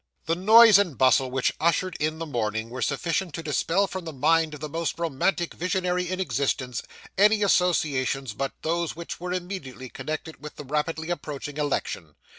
The noise and bustle which ushered in the morning were sufficient to dispel from the mind of the most romantic visionary in existence, any associations but those which were immediately connected with the rapidly approaching election.